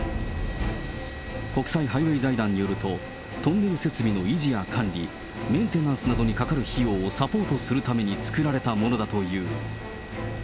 国際ハイウェイ財団によると、トンネル設備の維持や管理、メンテナンスなどにかかる費用をサポートするために作られたものだという。